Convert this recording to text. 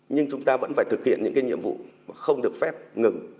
nhưng chúng ta vẫn phải thực hiện những nhiệm vụ không được phép ngừng